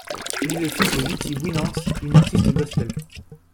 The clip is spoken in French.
Il est le fils de Vickie Winans, une artiste gospel.